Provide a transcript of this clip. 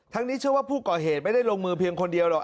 นี้เชื่อว่าผู้ก่อเหตุไม่ได้ลงมือเพียงคนเดียวหรอก